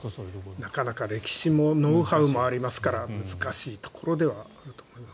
なかなか歴史もノウハウもありますから難しいところではあると思います。